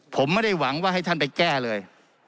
ผมไม่ได้หวังว่าให้ท่านไปแก้เลย